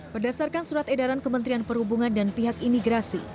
berdasarkan surat edaran kementerian perhubungan dan pihak imigrasi